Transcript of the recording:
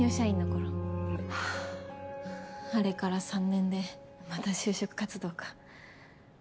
あれから３年でまた就職活動か。